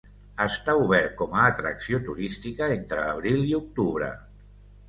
Està obert com a atracció turística entre abril i octubre.